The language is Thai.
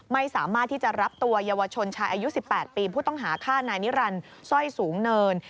ไม่สามารถที่จะรับตัวเยาวชนชายอายุ๑๘ปีผู้ต้องหาฆ่านายนิรันดิ์สร้อยสูงเนิน